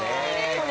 これ。